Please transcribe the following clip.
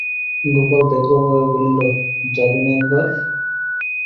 গোপাল ব্যগ্রভাবে বলিল, যাবি না একবার?